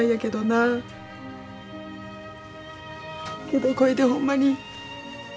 けどこいでほんまに。